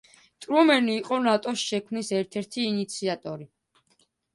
ტრუმენი იყო ნატოს შექმნის ერთ–ერთი ინიციატორი.